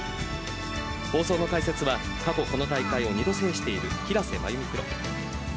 放送の解説は過去この大会を２度制している平瀬真由美